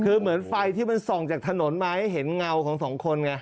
คือเหมือนไฟที่มันส่องจากถนนมาให้เห็นเงาของสองคนไง